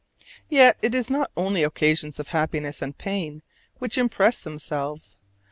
Yet it is not only occasions of happiness and pain which impress themselves.